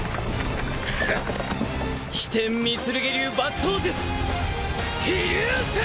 飛天御剣流抜刀術飛龍閃！